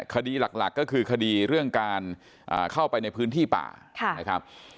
คดีหลักก็คือคดีเรื่องการเข้าไปในพื้นที่ป่านะครับ